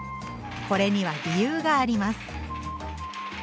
これには理由があります。